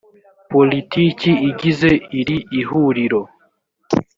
politiki igize iri ihuriro